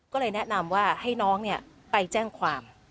ก็เลยแนะนำว่าให้น้องไปแจ้งความ